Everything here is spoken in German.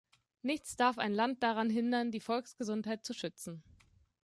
Nichts darf ein Land daran hindern, die Volksgesundheit zu schützen.